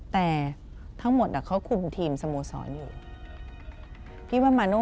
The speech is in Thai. แต่ทำไมถึงเป็นมาโน